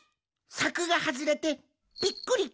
さくがはずれてびっくり！